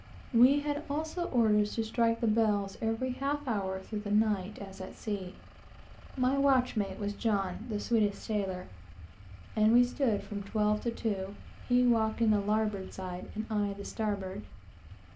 We had also orders to strike the bells every half hour through the night, as at sea. My watchmate was John, the Swedish sailor, and we stood from twelve to two, he walking the larboard side, and I the starboard.